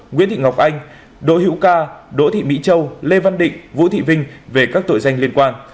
nguyễn thị ngọc anh đỗ hữu ca đỗ thị mỹ châu lê văn định vũ thị vinh về các tội danh liên quan